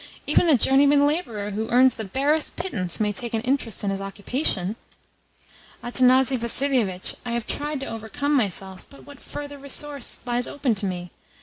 Even a journeyman labourer who earns the barest pittance may take an interest in his occupation." "Athanasi Vassilievitch, I have tried to overcome myself, but what further resource lies open to me?